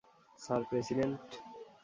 Sir, president?